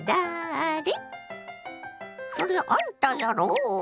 そりゃあんたやろ。